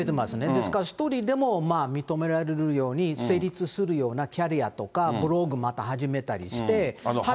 ですから１人でもまあ、認められるように、成立するようなキャリアとか、ブログ、また始めたりして。